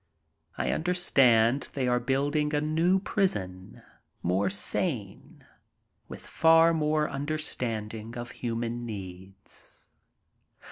I understand they are building a new prison, more sane, with far more understanding of human needs.